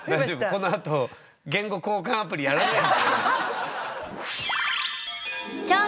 このあと言語交換アプリやらない？